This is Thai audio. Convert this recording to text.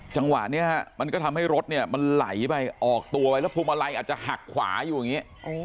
จังหวะนี้มันก็ทำให้รถเนี่ยมันไหลไปออกตัวไว้แล้วพวงมาลัยอาจจะหักขวาอยู่อย่างนี้